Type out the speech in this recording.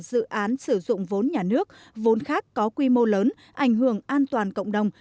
dự án sử dụng vốn nhà nước vốn khác có quy mô lớn ảnh hưởng an toàn cộng đồng